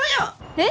えっ！？